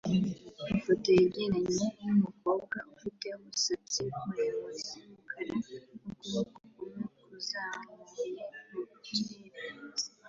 ifoto yegeranye yumukobwa ufite umusatsi muremure wumukara nukuboko kumwe kuzamuye mukirere